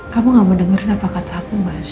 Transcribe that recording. kamu gak mau denger nggak apa kata aku mas